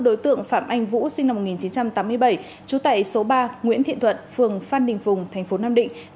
đối tượng phạm anh vũ sinh năm một nghìn chín trăm tám mươi bảy chú tẩy số ba nguyễn thiện thuận phường phan đình phùng tp nam định